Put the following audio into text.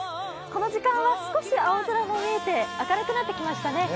この時間は少し青空も見えて明るくなってきましたね。